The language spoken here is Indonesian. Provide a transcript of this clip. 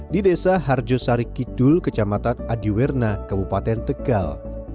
di desa harjo sari kidul kecamatan adiwerna kabupaten tegal